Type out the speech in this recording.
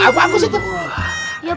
apaan ustadz tuh